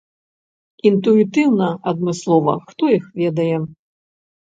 Інтуітыўна, адмыслова, хто іх ведае.